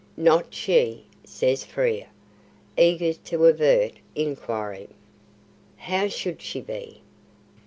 "Not she!" says Frere eager to avert inquiry. "How should she be?